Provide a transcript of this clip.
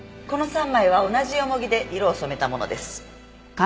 この３枚は同じヨモギで色を染めたものです。